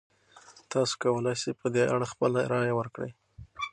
تاسو کولی شئ په دې اړه خپله رایه ورکړئ.